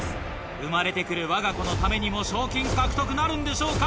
生まれて来るわが子のためにも賞金獲得なるんでしょうか？